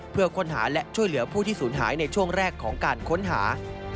เพื่อค้นหาและช่วยเหลือผู้ที่สูญหายในช่วงแรกของการค้นหา